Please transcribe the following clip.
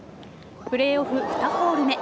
プレーオフ２ホール目